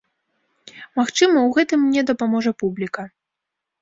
Магчыма, у гэтым мне дапаможа публіка.